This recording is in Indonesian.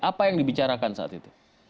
apa yang dibicarakan saat itu